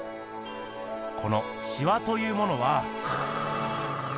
このしわというものは。